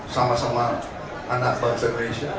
sama sama anak bangsa indonesia